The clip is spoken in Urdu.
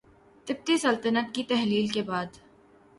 تبتی سلطنت کی تحلیل کے بعد